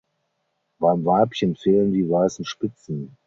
Beim Weibchen fehlen die weißen Spitzen.